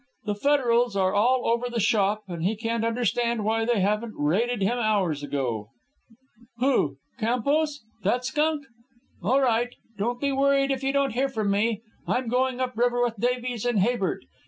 "The federals are all over the shop, and he can't understand why they haven't raided him hours ago." "... Who? Campos? That skunk! ... all right.... Don't be worried if you don't hear from me. I'm going up river with Davies and Habert....